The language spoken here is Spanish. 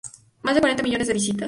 Más de cuarenta millones de visitas.